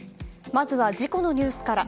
まずは事故のニュースから。